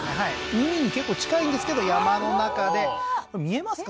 海に結構近いんですけど山の中で見えますか？